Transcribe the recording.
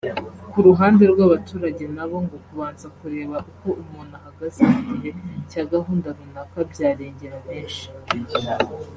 Ku ruhande rw’Abaturage nabo ngo kubanza kureba uko umuntu ahagaze mu gihe cya gahunda runaka byarengera benshi